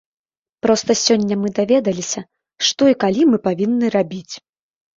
Проста сёння мы даведаліся, што і калі мы павінны рабіць.